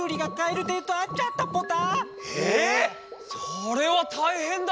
それはたいへんだ！